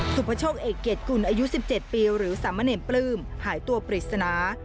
สุพโชคเอกเกรดกุลอายุ๑๗ปีหรือสามะเนรปลื้มหายตัวปริศนา